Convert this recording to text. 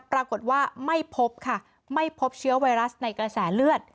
ปรากฏว่าไม่พบค่ะไม่พบเชื้อไวรัสในกระแสเลือด